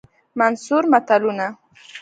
منثور متلونه